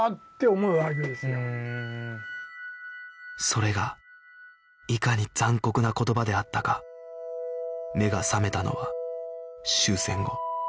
それがいかに残酷な言葉であったか目が覚めたのは終戦後